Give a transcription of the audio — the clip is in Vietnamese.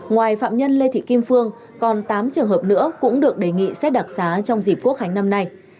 ngoài phạm nhân lê thị kim phương còn tám trường hợp nữa cũng được đề nghị xét đặc xá trong dịp quốc khánh năm nay